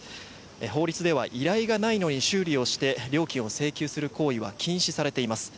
法律では依頼がないのに修理をして料金を請求する行為は禁止されています。